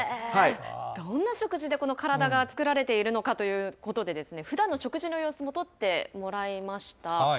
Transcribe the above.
どんな食事で、この体が作られているのかということで、ふだんの食事の様子も撮ってもらいました。